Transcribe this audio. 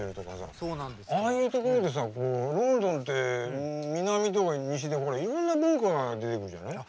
ああいうところでさロンドンって南とか西でほらいろんな文化が出てくるじゃない。